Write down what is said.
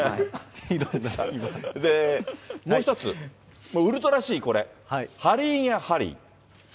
もう１つ、ウルトラＣ、これ、ハリー・イン・ア・ハリー。